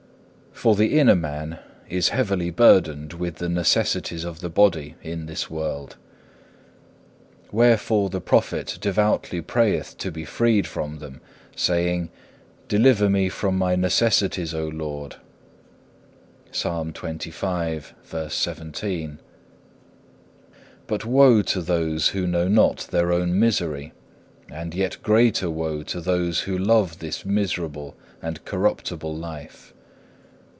3. For the inner man is heavily burdened with the necessities of the body in this world. Wherefore the prophet devoutly prayeth to be freed from them, saying, Deliver me from my necessities, O Lord.(1) But woe to those who know not their own misery, and yet greater woe to those who love this miserable and corruptible life.